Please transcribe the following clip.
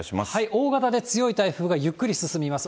大型で強い台風がゆっくり進みます。